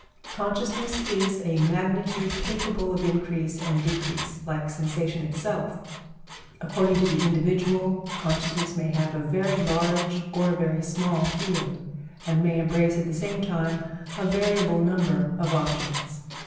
Consciousness is a magnitude capable of increase and decrease, like sensation itself. According to the individual, consciousness may have a very large or a very small field, and may embrace at the same time a variable number of objects.